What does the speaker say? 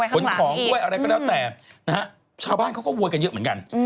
ขนของด้วยอะไรก็แล้วแต่นะฮะชาวบ้านเขาก็โวยกันเยอะเหมือนกัน